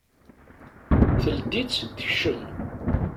Teldi-tt tekcem.